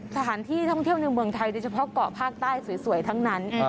สถานที่ท่องเที่ยวในเมืองไทยโดยเฉพาะเกาะภาคใต้สวยทั้งนั้น